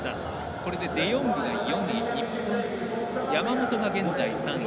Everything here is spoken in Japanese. これで、デヨングが４位山本が現在、３位。